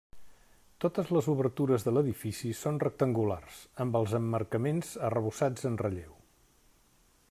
Totes les obertures de l'edifici són rectangulars, amb els emmarcaments arrebossats en relleu.